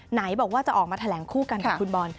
ไหนบอกว่าจะออกมาแถลงคู่กันกับคุณบอล